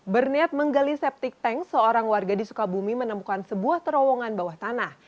berniat menggali septic tank seorang warga di sukabumi menemukan sebuah terowongan bawah tanah